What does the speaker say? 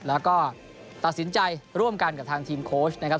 แล้วก็ตัดสินใจร่วมกันกับทางทีมโค้ชนะครับ